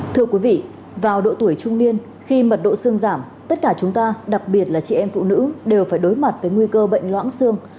thưa quý vị vào độ tuổi trung niên khi mật độ xương giảm tất cả chúng ta đặc biệt là chị em phụ nữ đều phải đối mặt với nguy cơ bệnh loãng xương